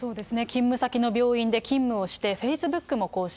勤務先の病院で勤務をして、フェイスブックも更新。